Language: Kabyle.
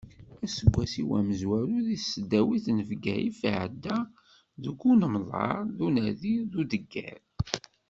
Aseggas-iw amezwaru deg tesdawit n Bgayet iɛedda deg unemḍer d unadi d udegger.